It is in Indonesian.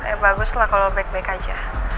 eh bagus lah kalo lo baik baik aja